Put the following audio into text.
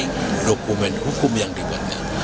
ini dokumen hukum yang dibuatnya